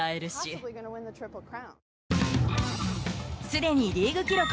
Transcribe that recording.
すでにリーグ記録